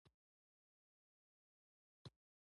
یا دا کار ما نه دی کړی ؟